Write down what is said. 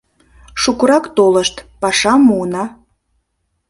— Шукырак толышт, пашам муына.